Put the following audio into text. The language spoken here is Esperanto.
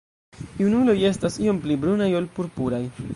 Junuloj estas iom pli brunaj ol purpuraj.